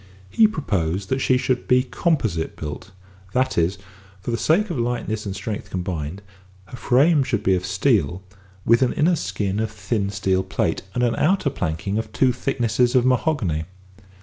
He proposed that she should be composite built; that is, that for the sake of lightness and strength combined, her frame should be of steel, with an inner skin of thin steel plate, and an outer planking of two thicknesses of mahogany.